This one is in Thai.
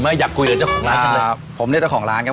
นี้ขอเครื่องปูงหน่อย